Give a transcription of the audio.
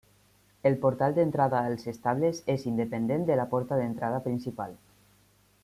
El portal d'entrada als estables és independent de la porta d'entrada principal.